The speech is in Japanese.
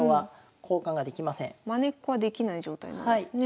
まねっこはできない状態なんですね。